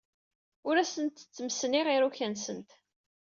Ur asent-ttmesniɣ iruka-nsent.